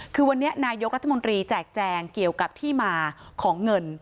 คือวันนี้นายกรัฐมนตรีแจกแจงเกี่ยวกับที่มาของเงิน